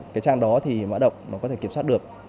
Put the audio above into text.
cái trang đó thì mã độc nó có thể kiểm soát được